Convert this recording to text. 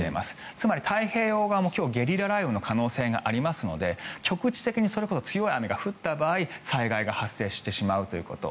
つまり太平洋側も今日ゲリラ雷雨の可能性がありますので局地的にそれこそ強い雨が降った場合災害が発生してしまうということ。